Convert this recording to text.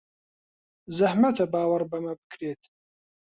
زەحمەتە باوەڕ بەمە بکرێت.